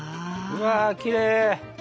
うわきれい！